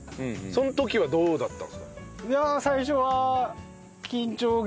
その時はどうだったんですか？